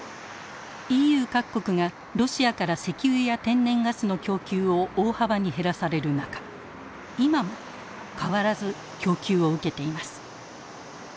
ＥＵ各国がロシアから石油や天然ガスの供給を大幅に減らされる中今も変わらず供給を受けています。